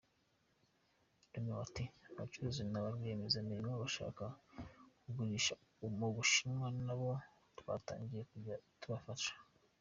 Romeo ati “Abacuruzi naba rwiyemezamirimo bashaka kugurisha mu Bushinwa nabo twatangiye kujya tubafasha.